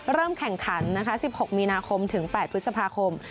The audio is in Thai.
เริ่มแข่งขันนะคะ๑๖มีนาคมถึง๘พฤษภาคม